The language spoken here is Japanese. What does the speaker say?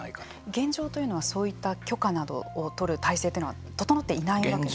現状はそういった許可などを取る体制はととのっていないわけですか。